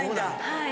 はい。